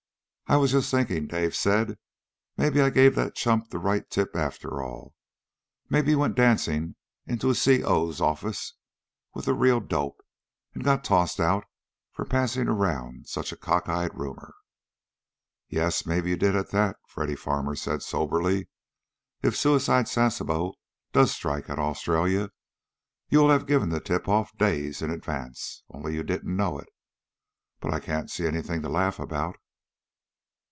"I was just thinking," Dave said. "Maybe I gave that chump the right tip after all. Maybe he went dancing into his C.O.'s office with the real dope, and got tossed out for passing around such a cockeyed rumor." "Yes, maybe you did at that," Freddy Farmer said soberly. "If Suicide Sasebo does strike at Australia, you will have given the tip off days in advance, only you didn't know it. But I can't see anything to laugh about!"